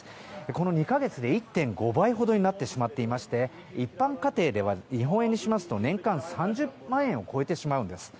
この２か月で１．５倍ほどになっていて一般家庭では日本円にしますと年間３０万円を超えてしまいます。